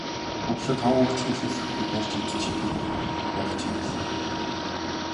Өглөө таван үг ч хэлүүлэхгүй барьж идчих гээд байх чинь билээ.